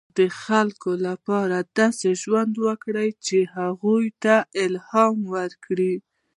• د خلکو لپاره داسې ژوند وکړه، چې هغوی ته الهام ورکړې.